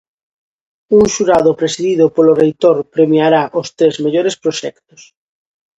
Un xurado presidido polo reitor premiará os tres mellores proxectos.